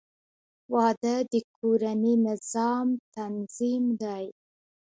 • واده د کورني نظام تنظیم دی.